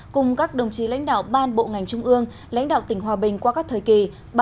cùng các đồng chí lãnh đạo ban bộ ngành trung ương lãnh đạo tỉnh hòa bình qua các thời kỳ